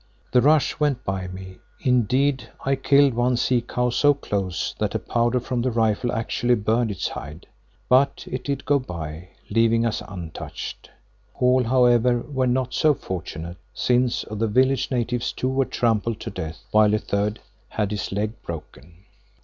The rush went by me; indeed, I killed one sea cow so close that the powder from the rifle actually burned its hide. But it did go by, leaving us untouched. All, however, were not so fortunate, since of the village natives two were trampled to death, while a third had his leg broken.